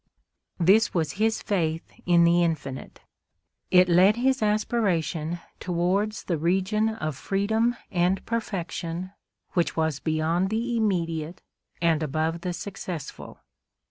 This was his faith in the Infinite. It led his aspiration towards the region of freedom and perfection which was beyond the immediate and above the successful.